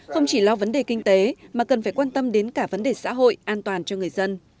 không chỉ lo vấn đề kinh tế mà cần phải quan tâm đến cả vấn đề xã hội an toàn cho người dân